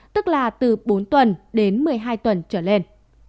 tức là từ bốn tuần đến một mươi hai tuần trở lên